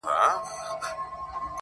خداى دي ساته له بــېـلــتــــونـــــه.